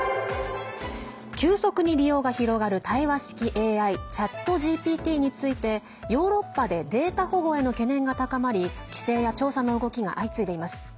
急速に利用が広がる対話式ＡＩＣｈａｔＧＰＴについてヨーロッパでデータ保護への懸念が高まり規制や調査の動きが相次いでいます。